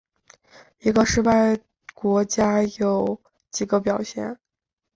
一个失败国家有几个表现。